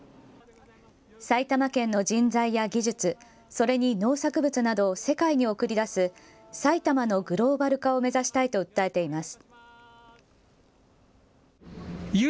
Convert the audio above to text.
埼玉県の人材や技術、それに農作物などを世界に送り出す埼玉のグローバル化を目指したいと訴えています。